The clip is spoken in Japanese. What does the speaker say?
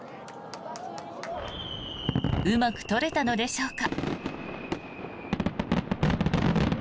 うまく撮れたのでしょうか。